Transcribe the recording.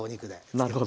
なるほど。